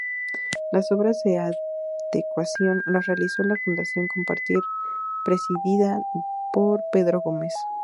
Las obras de adecuación las realizó la Fundación Compartir, presidida por Pedro Gómez.